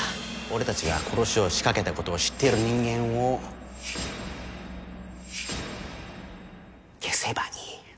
俺たちが殺しを仕掛けたことを知っている人間を消せばいい。